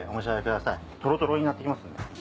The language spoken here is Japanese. とろとろになってきますんで。